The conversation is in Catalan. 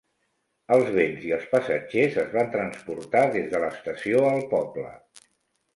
Els bens i els passatgers es van transportar des de l"estació al poble.